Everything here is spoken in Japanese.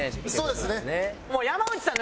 そうですね。